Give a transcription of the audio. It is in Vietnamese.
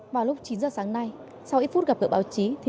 vào lúc chín giờ sáng nay sau ít phút gặp gỡ báo chí